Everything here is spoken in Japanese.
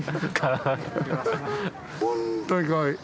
本当にかわいい。